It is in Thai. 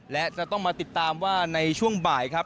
และจะต้องมาติดตามว่าในช่วงบ่ายครับ